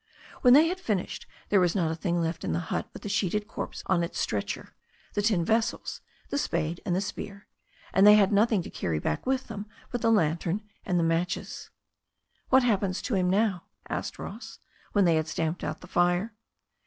When they had finished, there was not a thing left in the hut but the sheeted corpse on its stretcher, the tin vessels, the spade and the spear; und they had nothing to carry back with them but the lan tern and the matches. "What happens to him now?" asked Ross, when they had stamped out the fire.